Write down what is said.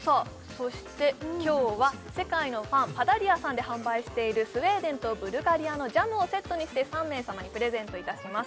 そして今日は世界のパンパダリアさんで販売しているスウェーデンとブルガリアのジャムをセットにして３名様にプレゼントいたします